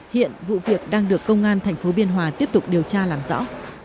hiện vụ việc đang được công an tp biên hòa tiếp tục điều tra làm rõ